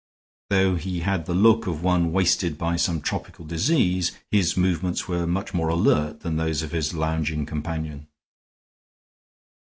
Though he had the look of one wasted by some tropical disease, his movements were much more alert than those of his lounging companion.